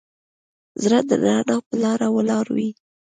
زړه د رڼا په لاره ولاړ وي.